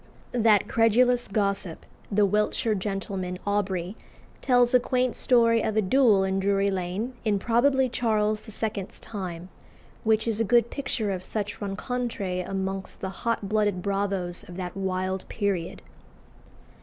That credulous gossip, the Wiltshire gentleman, Aubrey, tells a quaint story of a duel in Drury Lane, in probably Charles II.'s time, which is a good picture of such rencontres amongst the hot blooded bravos of that wild period.